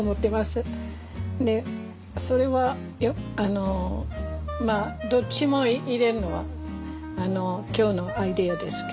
それはどっちも入れるのは今日のアイデアですけどね。